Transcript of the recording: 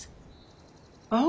ああ。